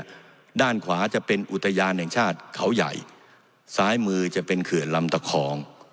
ด้านขวาจะเป็นอุทยานแห่งชาติเขาใหญ่ซ้ายมือจะเป็นเขื่อนลำตะคอง